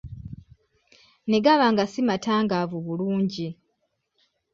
Ne gaba nga si matangaavu bulungi.